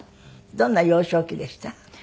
どんな幼少期でした？